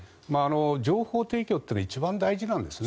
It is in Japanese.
情報提供というのは一番大事なんですね。